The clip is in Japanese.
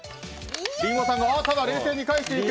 リンゴさんが冷静に返していく。